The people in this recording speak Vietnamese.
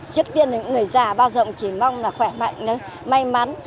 trước tiên là những người già bao giờ cũng chỉ mong là khỏe mạnh may mắn